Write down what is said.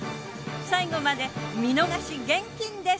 最後まで見逃し厳禁です！